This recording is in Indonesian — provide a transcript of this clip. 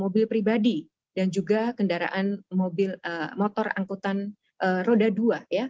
mobil pribadi dan juga kendaraan motor angkutan roda dua